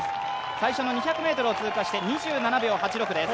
最初の２００ｍを通過して２７秒８６です。